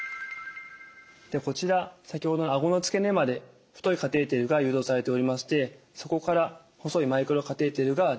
こちら先ほどあごの付け根まで太いカテーテルが誘導されておりましてそこから細いマイクロカテーテルが出ています。